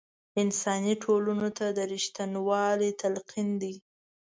انساني ټولنو ته د رښتینوالۍ تلقین دی.